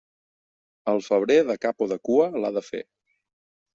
El febrer, de cap o de cua, l'ha de fer.